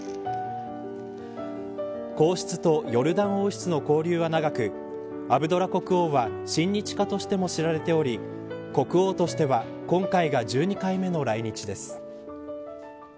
皇室とヨルダン王室の交流は長くアブドラ国王は親日家としても知られており国王としては今回が１２回目の来日です。